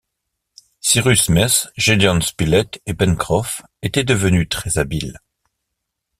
Cyrus Smith, Gédéon Spilett et Pencroff étaient devenus très-habiles.